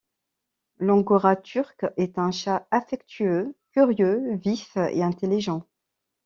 L'angora turc est un chat affectueux, curieux, vif et intelligent.